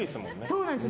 そうなんです。